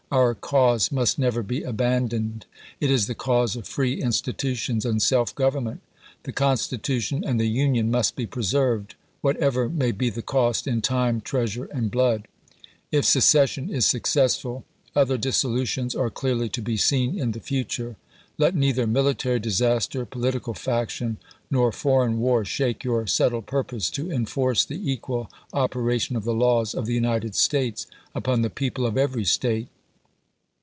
Our cause must never be abandoned ; it is the cause of free institutions and self government. The Constitution and the Union must be preserved, whatever may be the cost in time, treasure, and blood. If secession is successful, other dissolutions are clearly to be seen in the future. Let neither military disaster, political faction, nor foreign war shake your settled purpose to enforce the equal operation of the laws of the United States upon the people of every State.